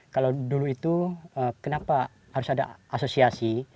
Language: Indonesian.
kalau dulu itu kenapa harus ada asosiasi